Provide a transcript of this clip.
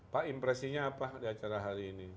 pak impresinya apa di acara hari ini